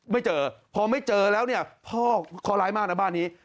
ไม่เจอพอไม่เจอแล้วเนี่ยพ่อข้อร้ายมากนะบ้านนี้